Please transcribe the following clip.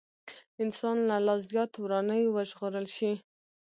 انسان له لا زيات وراني وژغورل شي.